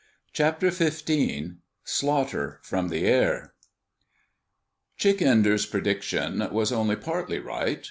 CHAPTER FIFTEEN SLAUGHTER FROM THE AIR Chick Enders' prediction was only partly right.